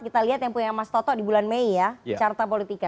kita lihat yang punya mas toto di bulan mei ya carta politika